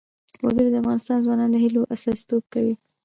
وګړي د افغان ځوانانو د هیلو استازیتوب کوي.